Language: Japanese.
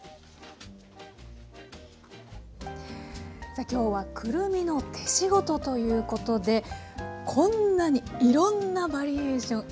さあ今日は「くるみの手仕事」ということでこんなにいろんなバリエーション